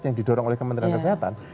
yang didorong oleh kementerian kesehatan